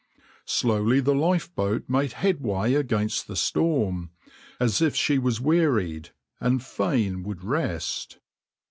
Slowly the lifeboat made headway against the storm, as if she was wearied and fain would rest.